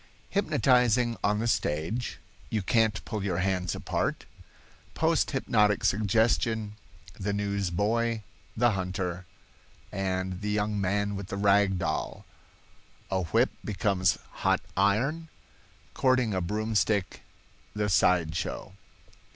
Hypnotizing on the Stage—"You Can't Pull Your Hands Apart"—Post Hypnotic Suggestion—The News boy, the Hunter, and the Young Man with the Rag Doll—A Whip Becomes Hot Iron—Courting a Broomstick—The Side Show.